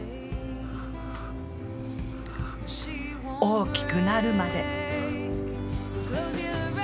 大きくなるまで。